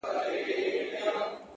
سیاه پوسي ده _ شپه لېونۍ ده _